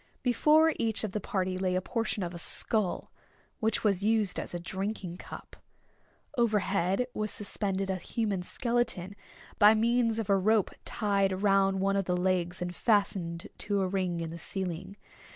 Before each of the party lay a portion of a skull, which was used as a drinking cup. Overhead was suspended a human skeleton, by means of a rope tied round one of the legs and fastened to a ring in the ceiling.